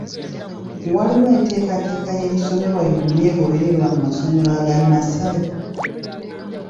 Waliwo enteekateeka y’ebisomesebwa yonna egobererwa mu masomero aga nnassale?